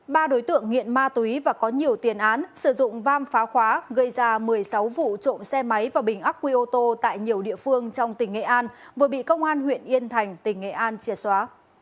ba đối tượng nghiện ma túy và có nhiều tiền án sử dụng vam phá khóa gây ra một mươi sáu vụ trộm xe máy và bình ác quy ô tô tại nhiều địa phương trong tỉnh nghệ an vừa bị công an huyện yên thành tỉnh nghệ an triệt xóa